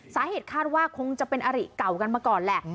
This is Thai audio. สาเหตุคาดว่าคงจะเป็นอริเก่ากันมาก่อนแหละ